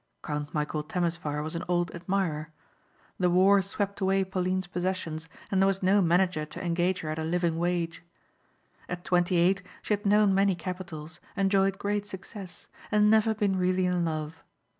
Count Michæl Temesvar was an old admirer. The war swept away Pauline's possessions and there was no manager to engage her at a living wage. At twenty eight she had known many capitals, enjoyed great success and never been really in love.